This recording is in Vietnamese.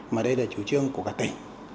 mà đây là chủ trương của cả tỉnh